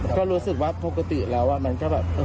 ก็รู้สึกว่าปกติแล้วมันก็แบบ